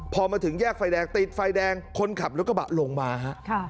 พอมาถึงแยกไฟแดงติดไฟแดงคนขับรถกระบะลงมาฮะ